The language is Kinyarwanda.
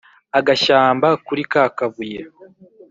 Agashyamba kuri ka kabuye